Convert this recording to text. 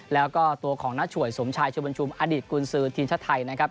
แล้วก็ตัวของนักฉวยสมชายชมบรรชุมอดิษฐ์กุลซือทีมชาติไทยนะครับ